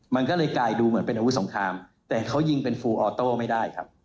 มันก็เลยกลายดูเหมือนเป็นอาวุธสงครามแต่เขายิงเป็นฟูออโต้ไม่ได้ครับ